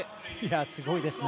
すごいですね。